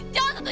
jangan satu ibu